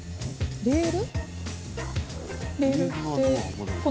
レール？